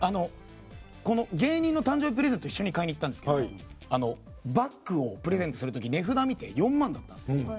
芸人の誕生日プレゼントを一緒に買いに行ったんですけどバッグをプレゼントする時値札見て４万だったんです。